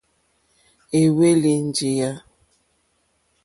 Éhwélì díyà.